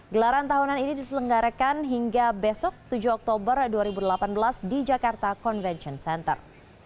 gelaran tahunan ini diselenggarakan hingga besok tujuh oktober dua ribu delapan belas di jakarta convention center